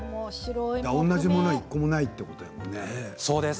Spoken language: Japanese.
同じものが１個もないということだものね。